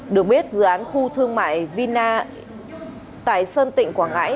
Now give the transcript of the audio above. được biết dự án khu thương mại vina tại sơn tỉnh quảng ngãi